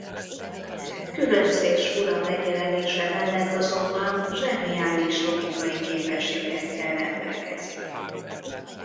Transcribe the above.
Különc és fura megjelenése mellett azonban zseniális logikai képességekkel rendelkezik.